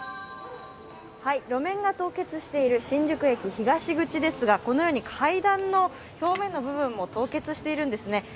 路面が凍結している新宿駅東口ですがこのように階段の表面の部分も凍結してるんですね。